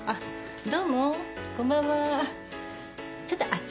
あっ。